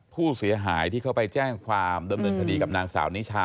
ผู้เสียหายที่เขาไปแจ้งความดำเนินคดีกับนางสาวนิชา